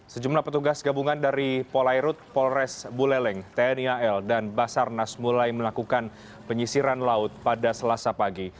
sejumlah petugas gabungan dari polairut polres buleleng tni al dan basarnas mulai melakukan penyisiran laut pada selasa pagi